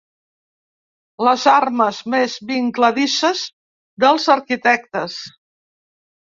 Les armes més vincladisses dels arquitectes.